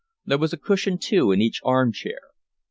There was a cushion too in each arm chair.